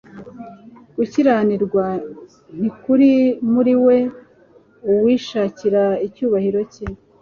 Gukiranirwa ntikuri muri we.» Uwishakira icyubahiro cye,